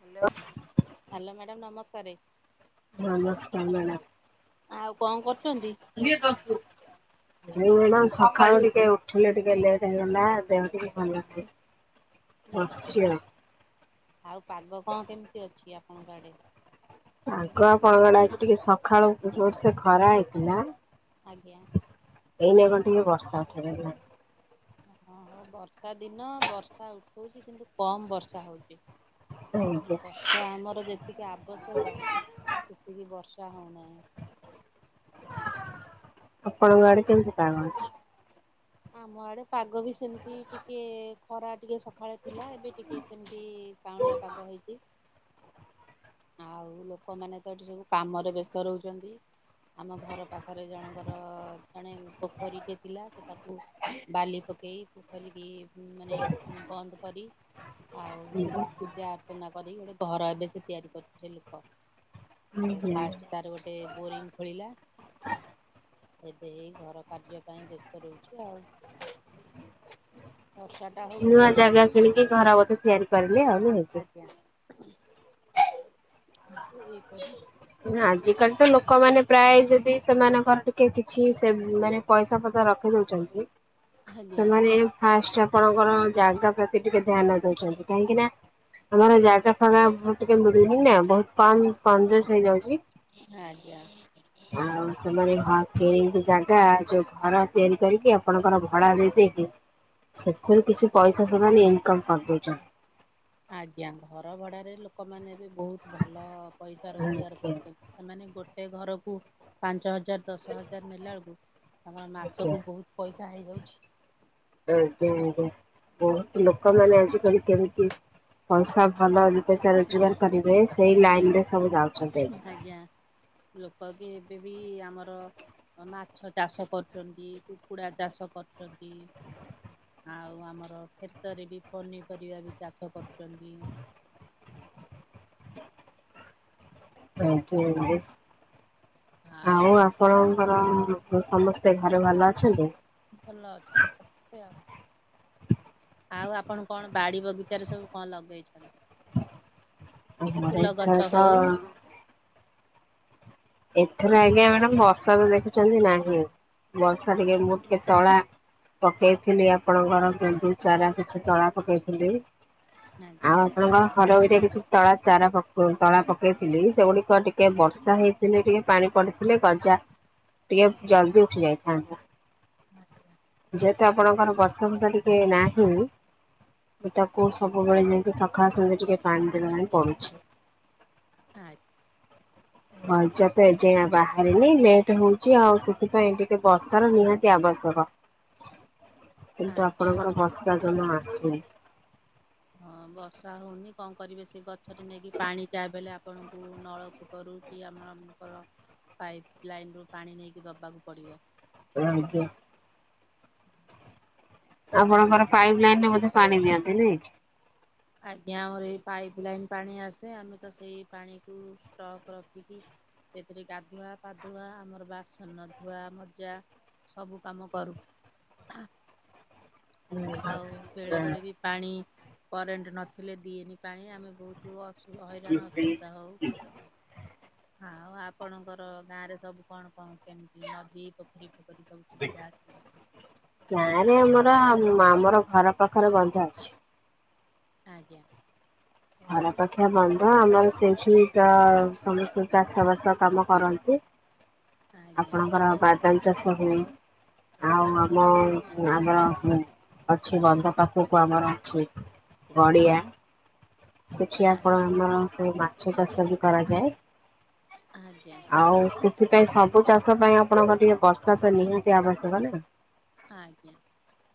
Hello. Hello madam ନମସ୍କାରେ। କନ୍ଦ ନା। ଆଉ କଣ କର [unintelligible] ଆଉ ମ୍ୟାଡମ ସକାଳୁ ଟିକେ ଉଠିଲେ ଟିକେ ଲେଟ ହେଇଗଲା ଦେହ ଟିକେ ଭଲ ନାହିଁ। ଆଛା। ଆଉ ପାଗ କଣ କେମିତି ଅଛି ଆପଣଙ୍କ ଆଡେ? ଆଗୁଆ ପଗଳା ଅଛି ଟିକେ ସକାଳୁ ଜୋର ସେ ଖରା ହେଇଥିଲା। ଆଜ୍ଞା। ଏଇ ନ କ ଟିକେ ବର୍ଷା ଉଠେଇଲାଣି ନା। ହଁ ହୋ ବର୍ଷା ଦିନ ବର୍ଷା ଉଠଉଛି କିନ୍ତୁ କମ ବର୍ଷା ହଉଛି। ଆଜ୍ଞା ବର୍ଷ ଆମର ଯେତିକି ଆବଶ୍ୟକ ସେତିକି ବର୍ଷା ହେଉନାହିଁ। ଆପଣଙ୍କ ଆଡେ କେମିତି ପାଗ ଅଛି? ଆମ ଆଡେ ପାଗ ବି ସେମିତି ଟିକେ ଖରା। ଟିକେ ସକାଳେ ଥିଲା ଏବେ ଟିକେ ସେମିତି କାଉଁଳିଆ ପାଗ ହେଇଛି। ଆଉ ଲୋକମାନେ ତ ଏଠି ସବୁ କାମରେ ବ୍ୟସ୍ତ ରହୁଛନ୍ତି। ଆମ ଘର ପାଖରେ ଜଣଙ୍କର ଜଣେ ପୋଖରୀଟେ ଥିଲା ସେ ତାକୁ ବାଲି ପକେଇ ପୁଖରିକି ମାନେ ବନ୍ଦ କରି ଆଉ ସେଥିରେ ପୂଜା ଅର୍ଚ୍ଚନା କରି ଗୋଟେ ସହର ଏବେ ସେ ତିଆରି କରୁଥିଲେ ଲୋକ। ଆଉ ଆଜ୍ଞା। ଫାଷ୍ଟ ତାର ଗୋଟେ ବୋରିଙ୍ଗ ଖୋଳିଲା। ଏବେ ହି ଘର କାର୍ଯ୍ୟ ପାଇଁ ବ୍ୟସ୍ତ ରହୁଛି ଆଉ। ବର୍ଷା ଟା ନୂଆ ହଉଛି ଜାଗା କିଣିକି ଘର ବୋଧେ ତିଆରି କରିଲେ ଆଉ ହେଇଛି। [unintelligible] ଆଜ କାଲି ତ ଲୋକମାନୋନ ପ୍ରାୟ ଯଦି ସେମାନଙ୍କର ଟିକେ କିଛି ସେ ମାନେ ପଇସା ପତ ରଖି ଦଉଛନ୍ତି ଆଜ୍ଞା ସେମାନେ ଫାଷ୍ଟ ଆପଣଙ୍କର ଜାଗା ପ୍ରତି ଟିକେ ଧ୍ୟାନ ଦଉଛନ୍ତି କାହିଁକି ନା ଆମର ଜାଗା ଫାଗା ମୁ ଟିକେ ମିଳୁନି ନା ବହୁତ କନଜେଶ୍ ହେଇଯାଉଛି, ଆଜ୍ଞା ଆଉ ସେମାନେ କି ଜାଗା ଯୋଉ ଘର ତିଆରି କରିକି ଆପଣଙ୍କର ଭଡା ଦେଇ ଦେଇକି ସେଥିରେ କିଛି ପଇସା ସେମାନେ ଇନକମ କରିଦଉଛନ୍ତି। ଆଜ୍ଞା ଘର ଭଡାରେ ଲୋକମାନେ ବି ବହୁତ ଭଲ ପଇସା ଆଜ୍ଞା ରୋଜଗାର କରୁଛନ୍ତି ସେମାନେ ଗୋଟେ ଘରକୁ ପାଞ୍ଚ ହଜ ହଜାର, ଦଶ ହଜାର ନେଲା ବେଳକୁ ଆମର ମାସକୁ ବହୁତ ପଇସା ହେଇଯାଉଛି। ଏକଦମ ବହୁତ ଲୋକମାନେ ଆଜିିକାଲି କେମିତି ପଇସା ଭଲ ଦୁଇ ପଇସା ରୋଜଗାର କରିବେ ସେଇ ଲାଇନ ରେ ସବୁ ଯାଉ ଆଜ୍ଞା ଲୋକ କି ଏବେ ବି ଆମର ମାଛ ଚାଷ କରୁଛନ୍ତି, କୁକୁଡ଼ା ଚାଷ କରୁଛନ୍ତି ଆଉ ଆମର କ୍ଷେତରେ ବି ପନିପରିବା ବି ଚାଷ କରୁଛନ୍ତି। ଆଜ୍ଞା, ଆଉ ଆପଣଙ୍କର ସମସ୍ତେ ଘରେ ଭଲ ଅଛନ୍ତି? ଭଲ ଅଛନ୍ତି ସମସ୍ତେ ଆଉ। ଆଉ ଆପଣ କଣ ବାଡି ବଗିଚାରେ ସବୁ କଣ ଲଗେଇଛନ୍ତି? ଫୁଲ ଆଛ ଗଛ ତ ହଉ ଏଥର ଆଜ୍ଞା ମ୍ୟାଡାମ ବର୍ଷା ତ ଦେଖୁଛନ୍ତି ନାହିଁ ବର୍ଷା ଦିକେ ମୁଟକେ ତଳା ପକେଇଥିଲି ଆପଣଙ୍କର ଗେଣ୍ଡୁ ଚାରା କିଛି ତଳା ପକେଇଥିଲି ଆଉ ଆଜ୍ଞା ଆପଣଙ୍କ ହର ଏଟରେ କିଛି ତଳା ଚାରା ତଳା ପକାଇଥିଲି, ସେଗୁଡ଼ିକ ଟିକେ ବର୍ଷା ହେଇ ଦିନେ ଟିକେ ପାଣି ପଡିଥିଲେ, ଗଜା ଟିକେ ଜଲଦି ଉଠି ଯାଇଥାତା ଆଜ୍ଞା ଯେହେତୁ ଆପଣଙ୍କର ବର୍ଷ ବୃଷ ଟିକେ ନାହିଁ ମୁ ତାକୁ ସବୁବେଳେ ଯାଇକି ସକାଳ ସାଜେ ଟିକେ ପାଣି ଦେବା ପାଇଁ ପଡୁଛି। ଆ ମଜା ତ ଏଜେଣା ବାହାରିନି ଲେଟ୍ ହଉଛି, ଆଉ ସେଥିପାଇଁ ଟିକେ ବର୍ଷ ର ନିହାତି ଆବଶ୍ୟ କ। [unintelligible] କିନ୍ତୁ ଆଜ୍ଞା। ଆପଣଙ୍କର ବର୍ଷା ଜମା ଆସୁନି। ହଁ। ବର୍ଷା ହେଉନି କଣ କରିବେ, ସେ ଗଛରେ ନେଇକି ପାଣି ଟା ଦେଲେ ଆପଣଙ୍କୁ ନଳକୂପରୁ କି ଆମ ର ପାଇପ୍ ଲାଇନ ରୁ ପାଣି ନେଇକି ଦବାକୁ ପଡିବ। ଆଜ୍ଞା। ଆପଣଙ୍କର ପାଇପ୍ ଲାଇନରେ ମଧ୍ୟ ପାଣି ଦିଅନ୍ତି ନାଇଁ? ଆଜ୍ଞା ଆମର ଏଇ ପାଇପ ଲାଇନ ପାଣି ଆସେ ଆମେ ତ ସେଇ ପାଣିକୁ ଷ୍ଟକ୍ ରଖିକି ସେଥିରେ ଗାଧୁଆ ପାଧୁଆ ଆମର ବାସନ ଧୁଆ ମଜା ସବୁ କାମ କରୁ ଆଉ ବେଳେ ବେଳେ ବି ପାଣି କରେଣ୍ଟ ନଥିଲେ ଦିଏନି ପାଣି ଆମେ ବହୁତ ଅ ହଇରାଣ କି? ଅସୁବିଧା ହଉ ହଁ ଆଉ ଆପଣଙ୍କର ଗାଁ ରେ ସବୁ କଣ କଣ କେମିତି ନଦୀ ପୋଖରୀ ପଖ [unintelligible] ପା ଆମର ଘର ପାଖରେ ବନ୍ଧ ଅଛି। ଆଜ୍ଞା। ଅପେକ୍ଷା ବନ୍ଧ ଆମର ସେଇଠି ସମସ୍ତ ଚାଷ ବାସ କାମ କରନ୍ତି ଆଜ୍ଞା ଆପଣଙ୍କର ବାଦାମ ଚାଷ ହୁଏ? ଆଉ ଆମ ଆମର ଅଛି ବନ୍ଧପଖକୁ ଆମର ଅଛି ଗଡ଼ିଆ ସେଠି ଆଜ୍ଞା ଆପଣ ଆମର ସେ ମାଛ ଚାଷ ବି କରାଯାଏ। ଆଜ୍ଞା। ଆଉ ସେ ଏଥିପାଇଁ ସବୁ ଚାଷ ପାଇଁ ଆପଣଙ୍କର ଟିକେ ବର୍ଷା ତ ନିହାତି ଆବଶ୍ୟକ ନା। ଆଜ୍ଞା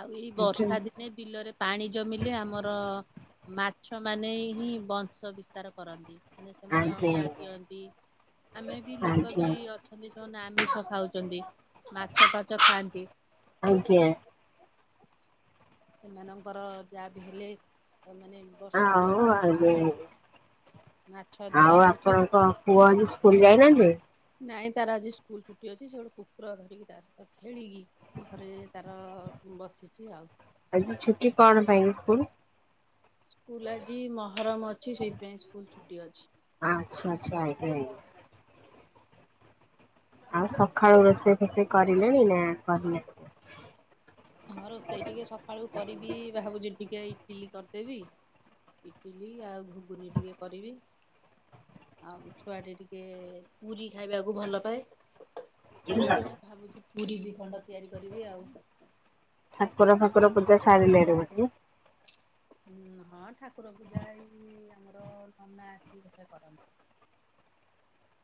ଆଉ ଏଇ ଆଜ୍ଞା ବର୍ଷା ଦିନେ ବିଲରେ ପାଣି ଜମିଲେ ଆମର ମାଛ ମାନେ ହିଁ ବଂଶ ବିସ୍ତାର କରନ୍ତି ମାନେ ସେମାନେ ଆଜ୍ଞା ଅଣ୍ଡା ଦିଅନ୍ତି ଆମେ ବି ଲୋକ ଆଜ୍ଞା ବି ଅଛନ୍ତି ସେମାନେ ଆମିଷ ଖାଉଛନ୍ତି ମାଛ ଫାଚ ଖାଆନ୍ତି। ଆଜ୍ଞା। ସେମାନଙ୍କର ଯାହା ବି ହେଲେ ମାନେ ବର୍ଷକ ଆଉ ଆଗେ [unintelligible] ମାଛ ଆଉ ଧରା ହଉଛି ଆପଣଙ୍କ, ପୁଅ ଆଜି ସ୍କୁଲ ଯାଇନାହାଁନ୍ତି? ନାଇଁ, ତାର ଆଜି ସ୍କୁଲ ଛୁଟି ଅଛି। ସେ ଗୋଟେ କୁକୁର ଧରିକି ତା ସହିତ ଖେଳିକି, ଘରେ ତାର ବସିଛି ଆଉ। ଆଜି ଛୁଟି କଣ ପାଇଁକି ସ୍କୁଲ? ସ୍କୁଲ ଆଜି ମହରମ୍ ଅଛି। ସେଇଥିପାଇଁ ସ୍କୁଲ ଛୁଟି ଅଛି। ଆଚ୍ଛା ଆଚ୍ଛା, ଆଇକେ ଆଉ ସଖାଳୁ ରୋଷେଇ ଫୋଷେଇ କରିଲେଣି ନା କରିନା? ହଁ ରୋଷେଇ ଟିକେ ସକାଳୁ କରିବି, ଭାବୁଛି ଟିକ୍ ଟିକେ ଇଟିଲି କରିଦେବି। ଇଟିଲି ଆଉ ଘୁଗୁନି ଟିକେ କରିବି। ଆଉ ଛୁଆ ଟା ଟିକେ ପୁରୀ ଖାଇବାକୁ ଭଲ ପାଏ। ତା ପାଇଁ ଠାକୁର ଭାବୁଛି ପୁରୀ ଦି ଖଣ୍ଡ ତିଆରି କରିବି ଆଉ। ଠାକୁର ଫାକୁର ପୂଜା ସାରିଲେଣି ବୋଧେ? ଉଁ ହଁ ଅ ଠାକୁର ପୂଜା ଏଇ ଆମର ନନା ଆସି [unintelligible] କରନ୍ତି।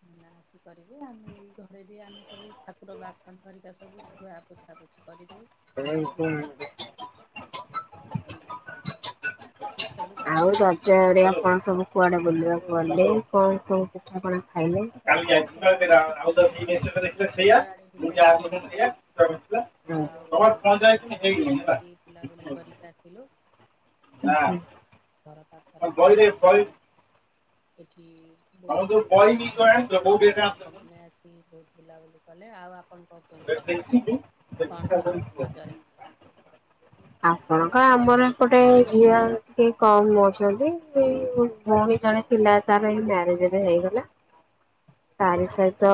[unintelligible] ନା ଆସି କରିବେ। ଆମେ ଏଇ ଘରେ ବି ଆମେ ସବୁ ଠାକୁର ବାସନ ହରିକା ସବୁ ଧୁଆ ପୋଛା ପୋଛି କରିଦଉ। ଏ [inaudible] ହଅ, ଆଉ ରଜରେ ଆପଣ ସବୁ କୁଆଡେ ବୁଲିବାକୁ ଗଲେ? କଣ ସବୁ ପିଠାପଣା ଖାଇଲେ। ଯାଇଥିଲୁ ଟିକେ ଆମେ ମନ୍ଦିର ଆଡେ ବୁଲିବା ପାଇଁ ଯାଇଥିଲୁ ଆଉ ମନ୍ଦିର ଯାଇକି ବୁଲାବୁଲି କରିକି ଆସିଲୁ। ଘର ପାଖରେ ତା ର ଏଇଠି। କି ବହୁତୁ [inaudible] ବହୁତ ବୁଲାବୁଲି କଲେ ଆଉ ଆପ୍ [inaudible] କଲେ ରଜରେ? ଆପଣଙ୍କ ଆମର ଗୋଟେ ଝିଅ ଟିକେ କମ୍ ଅଛନ୍ତି-ଇ-ଇ-ଇ ପୁଣି ଜଣେ ପିଲା ତାର ମ୍ୟାରେଜ ଏବେ ହେଇଗଲା। ତାରି ସହିତ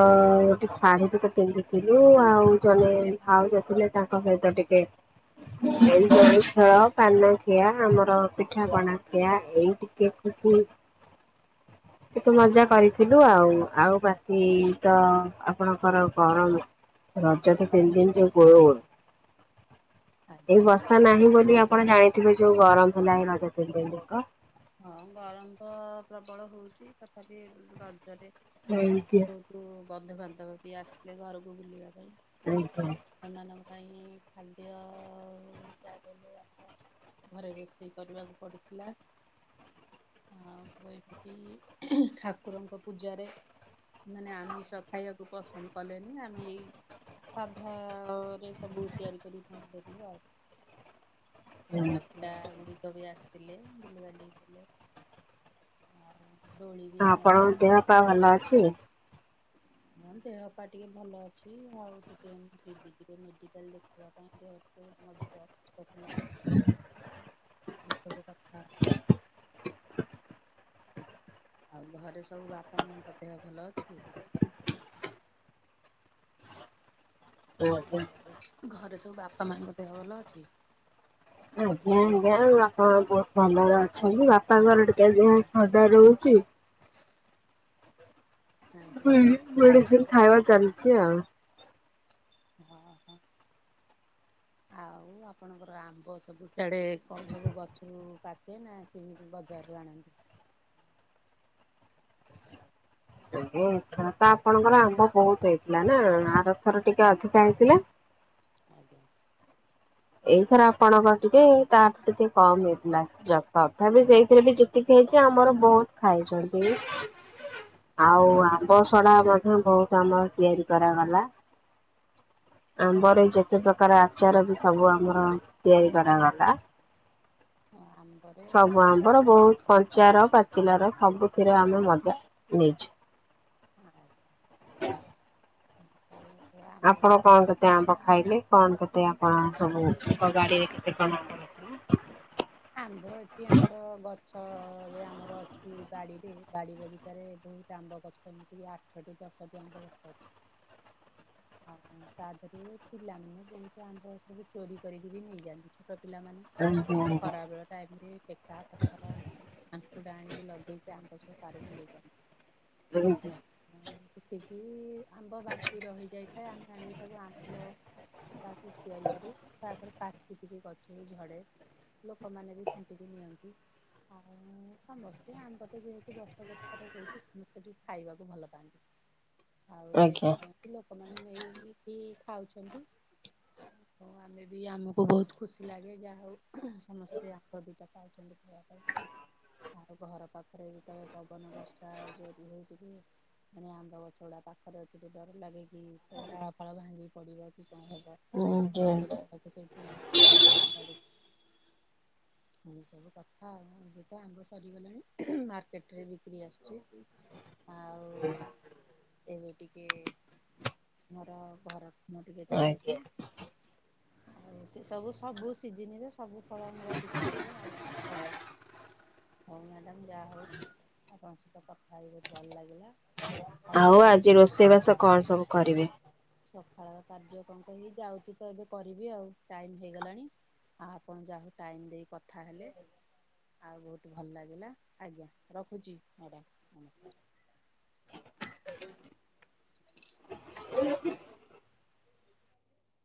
ଗୋଟେ ଶାଢୀ ଟିକ ପିନ୍ଧିିକି ଉ ଆଉ ଜଣେ ଭାଉଜ ଥିଲେ ତାଙ୍କ ସହିତ ଟିକେ ଏଇ ଗୁଲି ଖେଳ, ପାନ ଖିଆ, ଆମର ପିଠାପଣା ଖିଆ, ଏଇ ଟିକେ ଖୁ ହୁଁ, ଏତେ ମଜା କରିଥିଲୁ ଆଉ। ଆଉ ବାକି ତ ଆପଣଙ୍କର ଗରମ ରଜ ତ ତିନ ଦିନ ଯଉ ଗୁଳୁଗୁଳ ଏଇ ଆଜ୍ଞା ବର୍ଷା ନାହିଁ ବୋଲି, ଆପଣ ଜାଣିଥିବେ ଯୋଉ ଗରମ ହେଲା ଏଇ ରଜ ତିନି ଦିନ ଯାକ ହଁ ଗରମ ତ ପ୍ରବଳ ହଉଚି। ତଥାପି ରଜରେ ଆଜ୍ଞା। ଆମ ବହୁତ ବନ୍ଧୁବାନ୍ଧବ ବି ଆସଥିଲେ ଘରକୁ ବୁଲିବାକୁ ଅ ହଁ, ତାଙ୍କ ପାଇଁ ଖାଦ୍ୟ-ଅ-ଅ ତିନ ଚାର ଦିନ ଆମ ଘରେ ରୋଷେଇ କରିବାକୁ ପଡିଥିଲା। ଆଉ ବହିପତି ଠାକୁରଙ୍କ ପୂଜାରେ ମାନେ ଆମିଷ ଖାଇବାକୁ ପସନ୍ଦ କଲେନି। ଆମେ ଏଇ ସାଧା-ଆ-ରେ ସବୁ ତିଆରି କରି ତାଙ୍କୁ ଦେଲୁ ଆଉ। ଛୋଟ ଆଜ୍ଞା। ପିଲା ଗୁଡିକ ବି ଆସିଥିଲେ, ବୁଲିବାଲି ଗଲେ। ଆଉ, ଦୋଳି ବି ଆପଣଙ୍କ ଦେହ ପାହ ଆମର ଭଲ ଅଛି? ମୋ ଦେହ ପାହ ଟିକେ ଭଲ ଅଛି। ଆଉ ଟିକେ ମୁଁ ଯିବି ଟିକେ ମେଡିକାଲ ଦେଖିବା ପାଇଁ ଦେହଟିକେ। ମଝିରେ। [unintelligible] ଆଉ ଘରେ ସବୁ ବାପା ମାଙ୍କ ଦେହ ଭଲ ଅଛି? ହଁ ହଁ। ଘରେ ସବୁ ବାପା ମାଙ୍କ ଦେହ ଭଲ ଅଛି? ଆଜ୍ଞା ଆଜ୍ଞା ବାପା ବହୁତ ଭଲରେ ଅଛନ୍ତି, ବାପାଙ୍କର ଟିକେ ଦେହ ଥଣ୍ଡା ରହୁଛି। [unintelligible] ଆଜ୍ଞା ହଁ ମେଡିସିନ ଖାଇବା ଚାଲିଛି ଆଉ। ହଁ ହଁ। ଆଉ ଆପଣଙ୍କର ଆମ୍ବ ସବୁ ସଡେ କଣ ସବୁ ଗଛରୁ ପାଚେ ନା କିଣିକି ବଜାରୁ ଆଣନ୍ତି? ଆମ୍ବ ଏଥର ତ ଆପଣଙ୍କର ଆମ୍ବ ବହୁତ ହେଇଥିଲା ନା ଆ ରଥର ଟିକେ ଅଧିକା ହେଇଥିଲା। ଆଜ୍ଞା। ଏଇଥର ଆପଣଙ୍କ ଟିକେ ତ ଟିକେ କମ ହେଇଥିଲା ଯ ତଥା ବିି ସେଇଥିରେ ବି ଯେତିକି ହେଇଛି ଆ ଆମର ବହୁତ ଖାଇଛନ୍ତି। ଆଉ ଆମ୍ବ ସଡା ମଧ୍ୟ ବହୁତ ଆମର ତିଆରି କରାଗଲା। ଆମ୍ବର ଏଇ ଯେତେ ପ୍ରକାର ଆଚାର ବି ସବୁ ଆମର ତିଆରି କରାଗଲା। ଆମ୍ବରେ ସବୁ ବି ଆମ୍ୱର ବହୁତ କ ଚାର ପାଚିଲାର ସବୁଥିରେ ଆମେ ମଜା ନେଇଛୁ। ଆଜ୍ଞା। [inaudible] ଆପଣ କଣ ଆମ୍ବ କେତେ ଆମ୍ବ ଖାଇଲେ କଣ କେତେ ଆ ହଁ ସବୁ ଗାଡିରେ କେତେ ଙ୍କ ଆମ୍ବ ରଖିଲ? ଆମ୍ୱ ଏଠି ଆମର ଗ ଛରେ ଆମର ଅଛି ବାଡିରେ ବାଡି ବଗିଚାରେ ବହୁତ ଆମ୍ବ ଗଛ ଏମିତି ଆଠଟି। ତଟି ଆମ୍ୱ ଗଛ ଅଛି। ହ ତା ଦେହରେ ପିଲାମାନେ ବହୁତ ଆମ୍ବ ସବୁ ଚୋରି କରିକି ବି ନେଇଯାଆନ୍ତି। ଛୋଟ ଉଁ ହୁଁ। ଖରାବେଳ ଟାଇମ ରେ ଟେକା, ପଥର, ଆଙ୍କୁୁଡା ଆଣିକି ଲଗେଇକି ଆମ୍ୱ ପାରିକି ନେଇ ଯାଆନ୍ତି। ରଯ ଯେତିକି ଆମ୍ବ ବାକି ରହିଯାଇଥାଏ ଆମେ ଆଣିକି ତାକୁ ଆମ୍ବୁଲ ତାକୁ ତିଆରି କରୁ ତାପରେ ପାଚିକି ବି ଗଛରୁ ଝଡେ। ଲୋକମାନେ ବି ଖୁଣ୍ଟି କି ନିଅନ୍ତି। ଆଉ ସମସ୍ତେ ଆମ୍ବ ତ ଯେହେତୁ ବର୍ଷକ ଥରେ ହଉଛି ସମସ୍ତେ ଟିକେ ଖାଇବାକୁ ଭଲ ପାଆନ୍ତି। ଆଉ ଆଜ୍ଞା ସେଇଥିପାଇଁ କି ଲୋକମାନେ ନେଇକି ଖାଉଛନ୍ତି ଆମେ ବି ଆମକୁ ବହୁତ ଖୁସି ଲାଗେ ଯାହା ହଉ। ସମସ୍ତେ ଆମ୍ୱ ଦୁଇଟା ପାଉଛନ୍ତି ଖାଇବା ପାଇଁ। ଆଉ ଘର ପାଖରେ ଯେତେବେଳେ ପବନ ବର୍ଷା ଯୋରି ହେଇକରି। ମାନେ ଆମ୍ୱ ଗଛ ଗୁଡା ପାଖରେ ଅଛି ତ ଡର ଲାଗେ କିି ଡାଳ ଫାଳ ଭାଙ୍ଗିକି ପଡିବ କି? କଣ ହବ। ହଁଞଟେ। ଛୋଟ ପିଲାକୁ ସେଇଥିପାଇଁ ଆମେ ଛାଡୁନୁ। [unintelligible] ଏ ସବୁ କଥା ଆଉ ଏ ତ ଆମ୍ବ ସରିଗଲାଣି ମାର୍କେଟ ରେ ବିକ୍ରି ଆସୁଛି। ଆ [inaudible] ଏବେ ଟିକେ ମୋର ଘର ମୁଁ ଟିକେ ଚାଲିଛି। ଆଜ୍ଞା ସେ ସବୁ ସବୁ ସିଜିନିରେ ସବୁ ଫଳମୂଳ ବିକ୍ରି ହୁଏ ଆଉ ହଉ ହଉ ମ୍ୟାଡାମ୍ ଯା [inaudible] ଆପଣଙ୍କ ସହିତ କଥା ହେଇ ବହୁତ ଭଲ ଲାଗିଲା। ଆପଣ ଆଉ ଆଜି ରୋଷେଇବାସ କଣ ସବୁ କରିବେ? ସକାଳର କାର୍ଯ୍ୟକ୍ରମ ତ ହେଇ ଯାଉଛି ତ ଏବେ କରିବି ଆଉ, ଟାଇମ୍ ହେଇଗଲାଣି। ଆଉ ଆପଣ ଯାହାହେଉ ଟାଇମ୍ ଦେଇ କଥା ହେଲେ। ଆଉ ବହୁତ ଭଲ ଲାଗିଲା, ଆଜ୍ଞା ରଖୁଛି ମ୍ୟାଡ଼ାମ୍ ନମସ୍କାର।